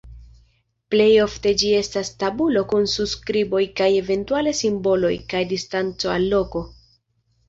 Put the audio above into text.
Plej ofte ĝi estas tabulo kun surskriboj kaj eventuale simboloj kaj distanco al loko.